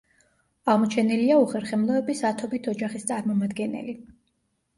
აღმოჩენილია უხერხემლოების ათობით ოჯახის წარმომადგენელი.